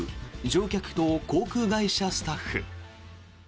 乗客と航空会社スタッフ。